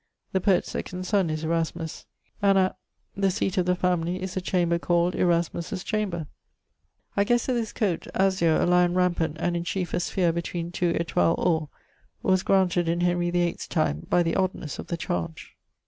The poet's second sonne is Erasmus. And at ..., the seate of the family, is a chamber called 'Erasmus's chamber.' I ghesse that this coate 'azure, a lion rampant and in chief a sphere between 2 estoiles or' was graunted in Henry 8th's time by the odnesse of the charge.